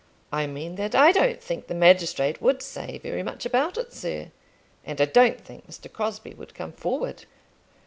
"I mean, that I don't think the magistrate would say very much about it, sir. And I don't think Mr. Crosbie would come forward."